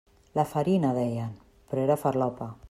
La farina, deien, però era farlopa.